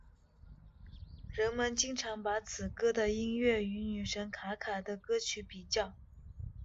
人们经常把此歌的音乐与女神卡卡的歌曲比较。